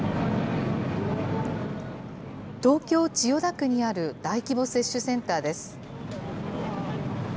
東京・千代田区にある大規模接種センターです。